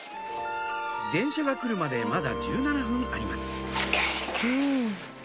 電車が来るまでまだ１７分ありますつかれた。